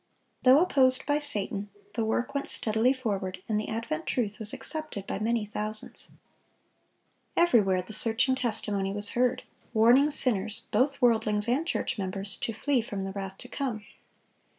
Though opposed by Satan, the work went steadily forward, and the advent truth was accepted by many thousands. Everywhere the searching testimony was heard, warning sinners, both worldlings and church members, to flee from the wrath to come.